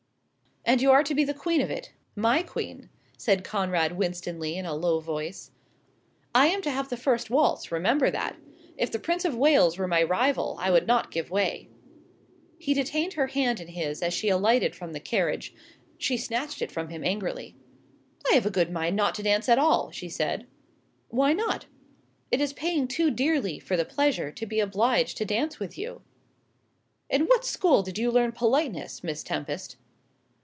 "And you are to be the queen of it my queen," said Conrad Winstanley in a low voice. "I am to have the first waltz, remember that. If the Prince of Wales were my rival I would not give way." He detained her hand in his as she alighted from the carriage. She snatched it from him angrily. "I have a good mind not to dance at all," she said. "Why not?" "It is paying too dearly for the pleasure to be obliged to dance with you." "In what school did you learn politeness, Miss Tempest?"